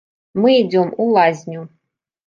Мы ідзём у лазню!